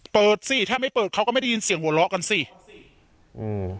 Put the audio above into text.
สิถ้าไม่เปิดเขาก็ไม่ได้ยินเสียงหัวเราะกันสิอืม